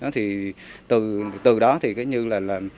thì từ đó thì cứ như là